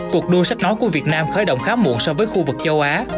cuộc đua sách nói của việt nam khởi động khá muộn so với khu vực châu á